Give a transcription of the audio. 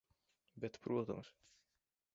Bet protams.